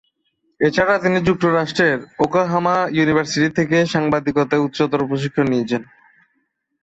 এছাড়া তিনি যুক্তরাষ্ট্রের ওকলাহোমা ইউনিভার্সিটি থেকে সাংবাদিকতায় উচ্চতর প্রশিক্ষণ নিয়েছেন।